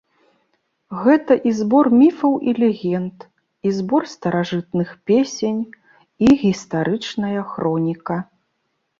Гэта і збор міфаў і легенд, і збор старажытных песень, і гістарычная хроніка.